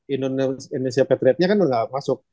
indonesia patriotsnya kan udah gak masuk